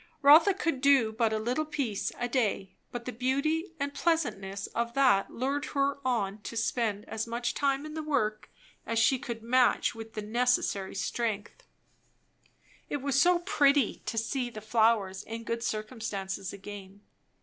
Rotha could do but a little piece a day; but the beauty and pleasantness of that lured her on to spend as much time in the work as she could match with the necessary strength. It was so pretty to see the flowers in good circumstances again!